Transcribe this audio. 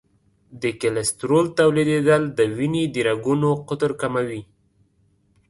د کلسترول تولیدېدل د وینې د رګونو قطر کموي.